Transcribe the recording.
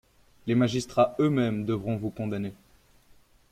Les magistrats eux-mêmes devront vous condamner.